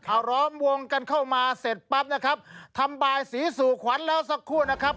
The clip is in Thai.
เขาล้อมวงกันเข้ามาเสร็จปั๊บนะครับทำบายสีสู่ขวัญแล้วสักครู่นะครับ